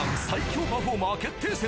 最強パフォーマー決定